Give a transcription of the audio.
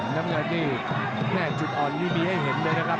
น้ำเงินนี่แม่จุดอ่อนนี่มีให้เห็นเลยนะครับ